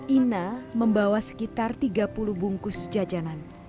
ina membawa sekitar tiga puluh bungkus jajanan